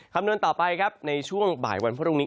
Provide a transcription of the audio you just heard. คำนวณต่อไปครับในช่วงบ่ายวันพรุ่งนี้